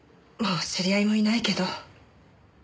もう知り合いもいないけど。